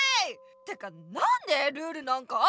てかなんでルールなんかあるのさ！